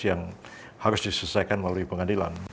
yang harus diselesaikan melalui pengadilan